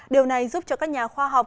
điều này giúp cho các nhà khoa học